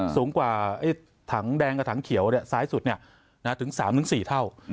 สูงกว่าถังแดงกับถังเขียวซ้ายสุดถึง๓๔เท่า